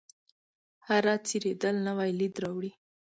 هره څیرېدل نوی لید راوړي.